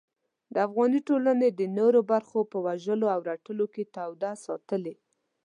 د افغاني ټولنې د نورو برخو په وژلو او رټلو کې توده ساتلې.